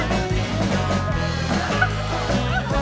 รับทราบ